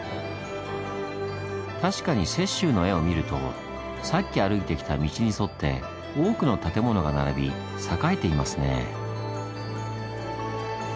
確かに雪舟の絵を見るとさっき歩いてきた道に沿って多くの建物が並び栄えていますねぇ。